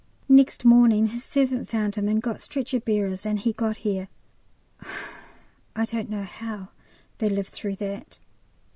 Next morning his servant found him and got stretcher bearers, and he got here. I don't know how they live through that.